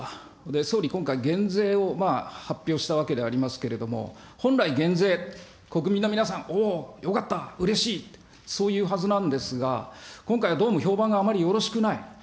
総理、今回、減税を発表したわけでありますけれども、本来、減税、国民の皆さん、おー、よかった、うれしい、そういうはずなんですが、今回はどうも評判があまりよろしくない。